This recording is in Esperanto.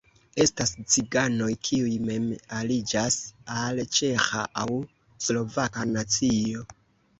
Estas ciganoj, kiuj mem aliĝas al ĉeĥa, aŭ slovaka nacio.